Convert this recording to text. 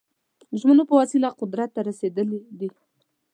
ژمنو په وسیله قدرت ته رسېدلي دي.